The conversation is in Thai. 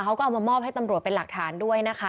เขาก็เอามามอบให้ตำรวจเป็นหลักฐานด้วยนะคะ